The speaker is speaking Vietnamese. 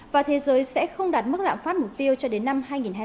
và thế giới sẽ không đạt mức lạm phát mục tiêu cho đến năm hai nghìn hai mươi năm